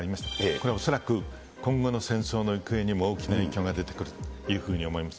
これは恐らく、今後の戦争の行方にも大きな影響が出てくるというふうに思います。